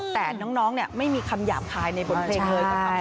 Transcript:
แต่น้องไม่มีคำหยาบคายในบทเพลงเลย